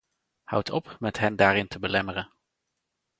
Houdt op met hen daarin te belemmeren!